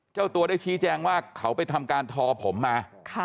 เจ้าตัวได้ชี้แจงว่าเขาไปทำการทอผมมา